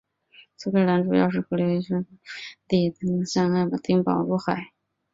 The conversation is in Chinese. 苏格兰主要河流之一的福斯河发源于境内并东向爱丁堡入海。